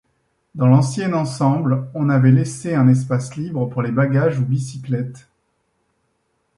Dans l'ancien ensemble on avait laissé un espace libre pour les bagages ou bicyclettes.